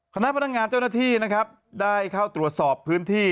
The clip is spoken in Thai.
คณะพนักงานเจ้าหน้าที่นะครับได้เข้าตรวจสอบพื้นที่